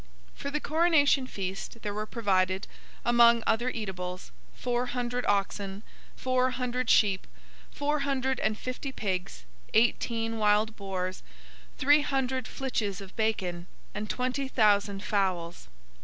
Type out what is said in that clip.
For the coronation feast there were provided, among other eatables, four hundred oxen, four hundred sheep, four hundred and fifty pigs, eighteen wild boars, three hundred flitches of bacon, and twenty thousand fowls.